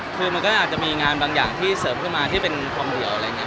คือมันคลิกจะมีงานบางอย่างเสริมขึ้นมาที่เป็นคนเดียว